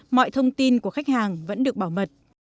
mọi thông tin của khách hàng vẫn được bảo mật